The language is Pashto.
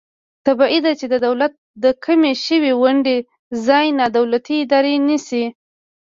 طبعي ده چې د دولت د کمې شوې ونډې ځای نا دولتي ادارې نیسي.